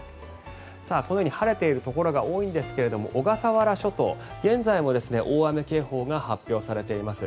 このように晴れているところが多いんですが小笠原諸島、現在も大雨警報が発表されています。